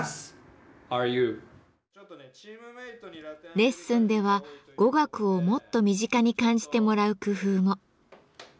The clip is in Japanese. レッスンでは語学をもっと身近に感じてもらう工夫も。